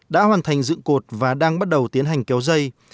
đã hoàn thành dựng cột và đang bắt đầu tiến hành kéo dây